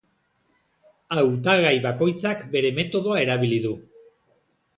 Hautagai bakoitzak bere metodoa erabili du.